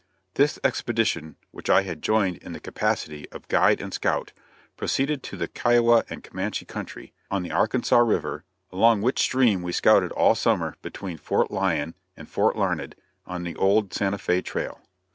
This expedition, which I had joined in the capacity of guide and scout, proceeded to the Kiowa and Comanche country, on the Arkansas river, along which stream we scouted all summer between Fort Lyon and Fort Larned, on the old Santa Fe trail.